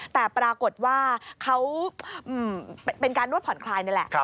แต่ปรากฏว่าเขาเป็นการนวดผ่อนคลายนี่แหละ